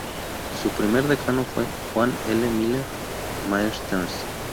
Su primer decano fue Juan L. Miller Maertens.